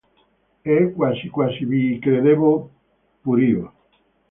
E quasi quasi vi credevo pur io.